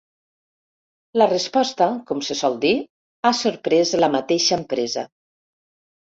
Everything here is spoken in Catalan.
La resposta, com se sol dir, ha sorprès la mateixa empresa.